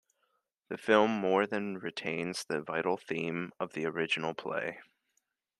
The film more than retains the vital theme of the original play.